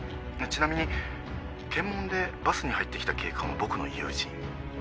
ちなみに検問でバスに入ってきた警官は僕の友人。